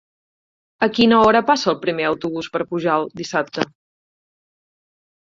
A quina hora passa el primer autobús per Pujalt dissabte?